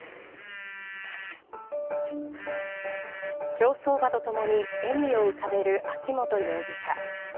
競走馬とともに笑みを浮かべる秋本容疑者。